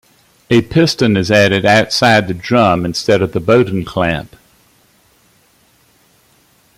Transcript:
A piston is added outside the drum instead of the bowden clamp.